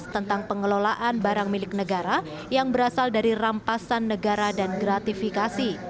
tentang pengelolaan barang milik negara yang berasal dari rampasan negara dan gratifikasi